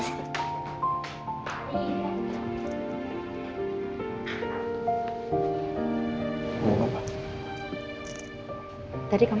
sekarang pak bos